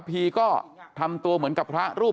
เมื่อยครับเมื่อยครับ